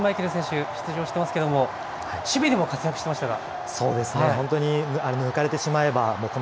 ４大会連続でリーチマイケル選手、出場していますけれども守備でも活躍していましたが。